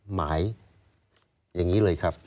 หมายอย่างนี้เลยครับ